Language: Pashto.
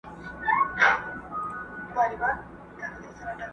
يوه ورځ يو ځوان د کلي له وتلو فکر کوي